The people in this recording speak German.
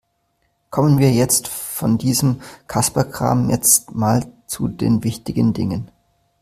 Kommen wir von diesem Kasperkram jetzt mal zu den wichtigen Dingen.